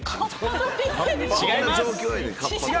違います。